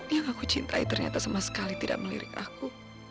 yang aku cintai ternyata sama sekali tidak melirik aku